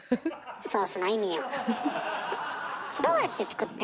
ソースの意味を。